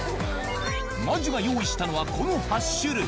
真珠が用意したのは、この８種類。